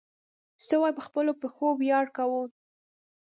سوی په خپلو پښو ویاړ کاوه.